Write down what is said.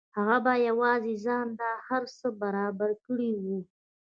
هغه په یوازې ځان دا هر څه برابر کړي وو